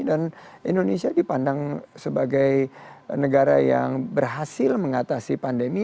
dan indonesia dipandang sebagai negara yang berhasil mengatasi pandemi